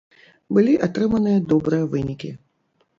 Былі атрыманыя добрыя вынікі.